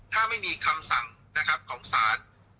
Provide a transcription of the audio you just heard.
ถ้าไม่มีคำสั่งนะครับของศาล